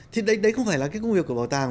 thì đấy không phải là cái công việc của bảo tàng